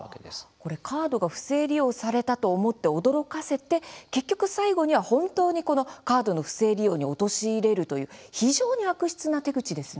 これ、カードが不正利用されたと思って驚かせて結局、最後には本当にカードの不正利用に陥れるという非常に悪質な手口ですね。